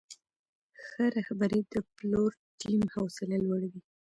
ښه رهبري د پلور ټیم حوصله لوړوي.